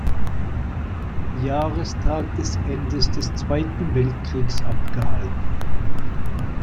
Jahrestag des Endes des Zweiten Weltkriegs abgehalten.